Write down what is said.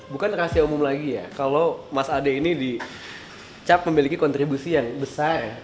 bukan rahasia umum lagi ya kalau mas ade ini dicap memiliki kontribusi yang besar